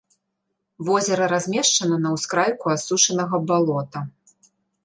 Возера размешчана на ўскрайку асушанага балота.